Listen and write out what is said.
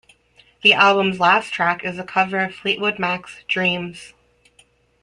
The album's last track is a cover of Fleetwood Mac's "Dreams".